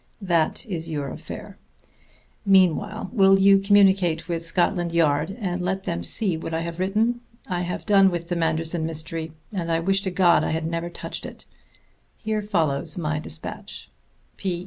That is your affair. Meanwhile, will you communicate with Scotland Yard, and let them see what I have written? I have done with the Manderson mystery, and I wish to God I had never touched it. Here follows my despatch.